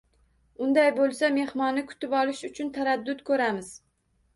Unday bo`lsa, mehmonni kutib olish uchun taraddud ko`ramiz